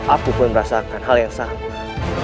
aku pun merasakan hal yang sama